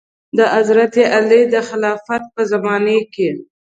د حضرت علي د خلافت په زمانه کې.